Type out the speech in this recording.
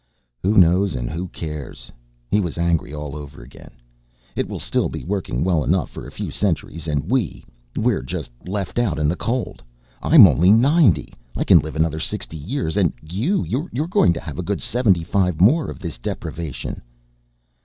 "Who knows and who cares?" He was angry all over again. "It will still be working well enough for a few centuries and we, we're just left out in the cold! I'm only ninety, I can live another sixty years, and you, you're going to have a good seventy five more of this deprivation."